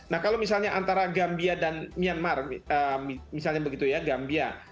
nah kalau misalnya antara gambia dan myanmar misalnya begitu ya gambia